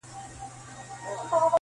• هغې ته تېر ياد راځي ناڅاپه,